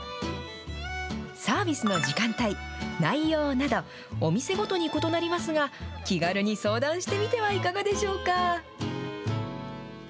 サービスの時間帯、内容など、お店ごとに異なりますが、気軽に相談してみてはいかがでしょうか。